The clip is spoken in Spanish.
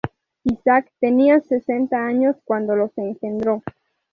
Isaac tenía sesenta años cuando los engendró.